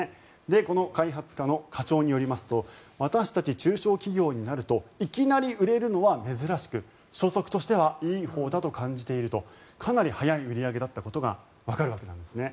この開発課の課長によりますと私たち中小企業になるといきなり売れるのは難しく初速としてはいいほうだと感じているとかなり速い売り上げだったことがわかるわけなんですね。